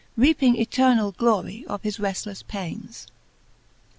Reaping, eternall glorie of his reftlefle paines.